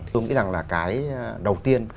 tôi nghĩ rằng là cái đầu tiên